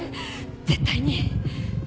絶対に。